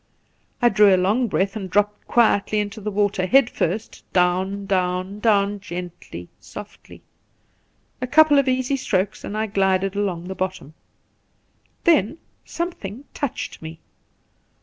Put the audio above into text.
I drew a long breath and dropped quietly into the water, head first ; down, down, down — gently, softly. A couple of easy strokes and I glided along the bottom. Then something touched me.